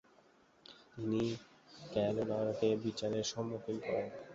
তিনি ক্যালোনারকে বিচারের সম্মুখীন করেন।